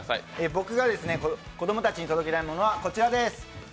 僕が子ども達に届けたいものは、こちらです。